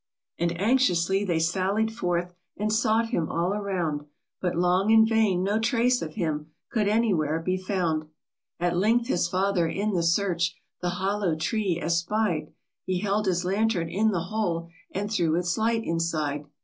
And anxiously they sallied forth, And sought him all around ; But long in vain — no trace of him Could anywhere be found. At length his father, in the search, The hollow tree espied ; He held his lantern to the hole, And threw its light inside.